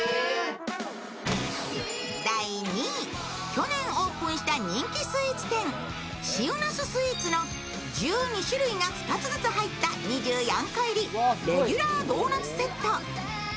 去年オープンした人気スイーツ店、ＳＩＵＮＡＵＳＳＷＥＥＴＳの１２種類が２つずつ入った２４個入りレギュラードーナツセット。